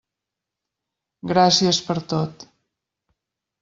Gràcies per tot.